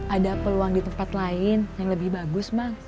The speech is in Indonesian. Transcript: ada peluang di tempat lain yang lebih bagus mah